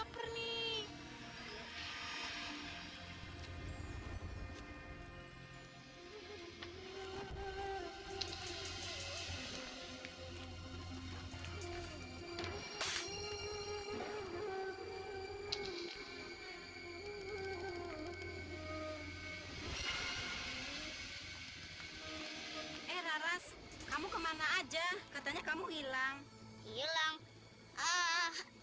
kita lihat aja nanti ya dah dah